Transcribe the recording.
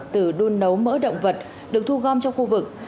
từ đun nấu mỡ động vật được thu gom trong khu vực